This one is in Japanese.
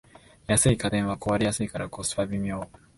安い家電は壊れやすいからコスパ微妙